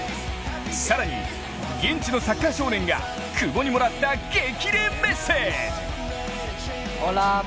更に、現地のサッカー少年が久保にもらった激励メッセージ。